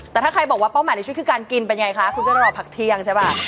แต่ถ้าใครบอกว่าเป้าหมายในชีวิตคือการกินเป็นไงคะคุณก็ต้องรอผักเที่ยงใช่ป่ะ